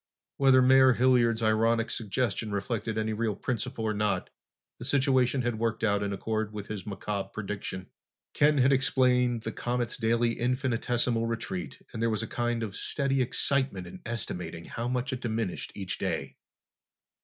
Whether Mayor Hilliard's ironic suggestion reflected any real principle or not, the situation had worked out in accord with his macabre prediction. Ken had explained the comet's daily infinitesimal retreat and there was a kind of steady excitement in estimating how much it diminished each day.